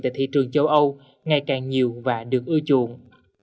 tại thị trường châu âu ngày càng nhiều và được ưa chuộng